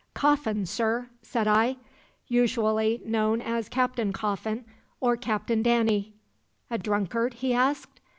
"'Coffin, sir,' said I; 'usually known as Captain Coffin, or Captain Danny.' "'A drunkard?' he asked.